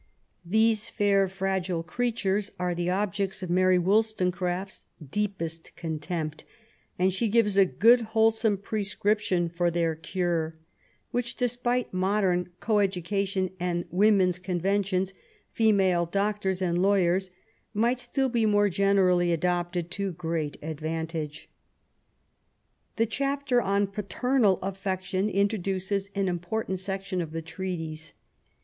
These fair, fragile creatures are the objects of Mary Wollstonecraffc's deepest contempt, and she gives a good wholesome prescription for their cure, which, despite modern co education and Women Con ventions, female doctors and lawyers, might still be more generally adopted to great advantage. The chapter on Paternal Affection introduces an important section of the treatise.